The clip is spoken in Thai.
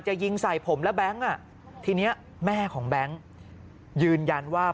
จะยิงใส่ผมแล้วแบงค์ทีนี้แม่ของแบงค์ยืนยันว่า